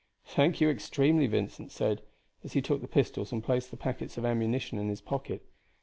"Thank you extremely," Vincent said, as he took the pistols and placed the packets of ammunition in his pocket.